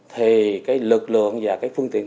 thì lực lượng và phương tiện